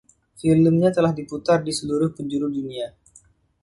Filmnya telah diputar di seluruh penjuru dunia.